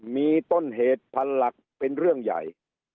มีต้นเหตุพันหลักเป็นเรื่องใหญ่